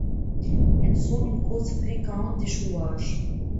Elles sont une cause fréquente d'échouage.